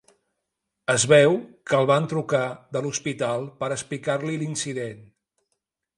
Es veu que el van trucar de l'hospital per explicar-li l'incident.